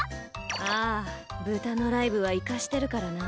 ああ豚のライブはイカしてるからな。